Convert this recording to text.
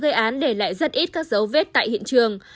đối tượng gây án để lại rất ít các dấu vết tại hiện trường